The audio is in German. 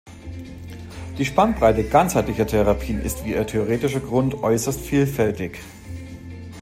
Die Spannbreite ganzheitlicher Therapien ist wie ihr theoretischer Grund äußerst vielfältig.